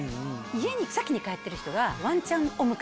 家に先に帰ってる人が。